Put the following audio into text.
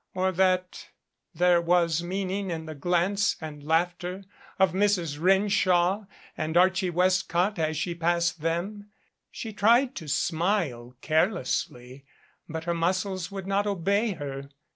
Or that there was meaning in the glance and laughter of Mrs. Renshaw and Archie Westcott as she passed them? She tried to smile care lessly, but her muscles would not obey her.